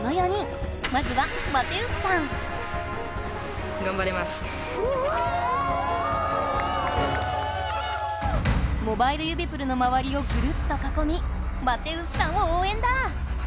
まずはモバイル指プルのまわりをぐるっとかこみマテウスさんを応援だ！